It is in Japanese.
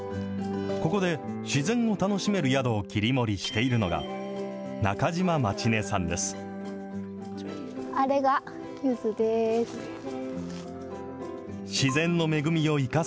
ここで自然を楽しめる宿を切り盛りしているのが、中島舞宙音さんあれがゆずです。